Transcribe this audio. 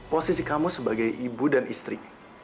posisi kamu sebagai ibu dan istri